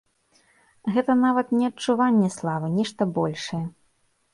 Гэта нават не адчуванне славы, нешта большае.